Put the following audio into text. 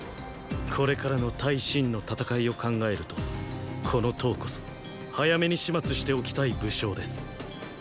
これからの対秦の戦いを考えるとこの騰こそ早めに始末しておきたい武将です。